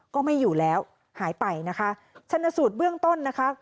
ก็ไม่อยู่แล้วหายไปนะคะชนสูตรเบื้องต้นนะคะ